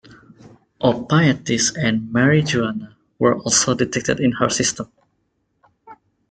Opiates and marijuana were also detected in her system.